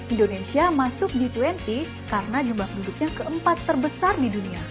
indonesia masuk g dua puluh karena jumlah penduduknya keempat terbesar di dunia